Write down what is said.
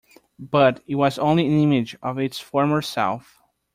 But it was only an image of its former self.